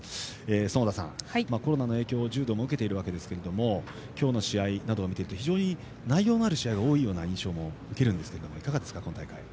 園田さん、コロナの影響を柔道も、受けていますが今日の試合を見ていて内容のある試合が多いような印象も受けるんですがいかがですか、今大会。